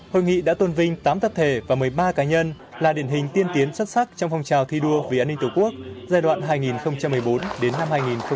hội nghị đã tôn vinh tám tập thể và một mươi ba cá nhân là điển hình tiên tiến xuất sắc trong phong trào thi đua vì an ninh tổ quốc giai đoạn hai nghìn một mươi bốn đến năm hai nghìn hai mươi